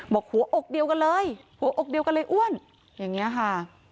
บอกหัวอกเดียวกันเลยหัวอกเดียวกันเลยอ้วนอย่างนี้ค่ะ